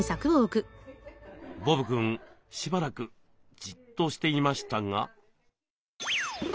ボブくんしばらくじっとしていましたが。